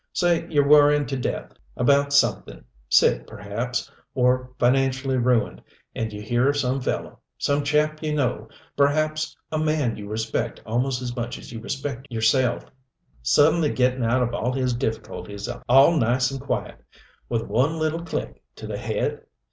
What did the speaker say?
Say you're worrying to death about something, sick perhaps, or financially ruined, and you hear of some fellow some chap you know, perhaps, a man you respect almost as much as you respect yourself suddenly getting out of all his difficulties all nice and quiet with one little click to the head?